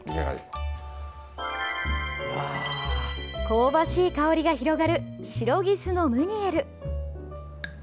香ばしい香りが広がるシロギスのムニエル。